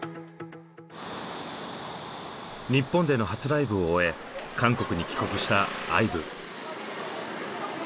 日本での初ライブを終え韓国に帰国したＩＶＥ。